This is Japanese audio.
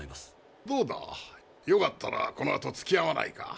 どうだよかったらこのあとつきあわないか？